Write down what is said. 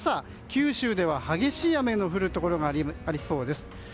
九州では激しい雨の降るところがありそうです。